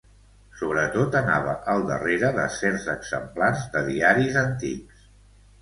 Sobretot anava al darrere de certs exemplars de diaris antics.